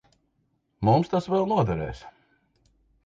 Mums tas vēl noderēs.